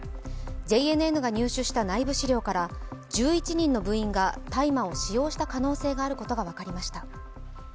ＪＮＮが入手した内部資料から１１人の部員が大麻を使用した可能性があることが分かりました。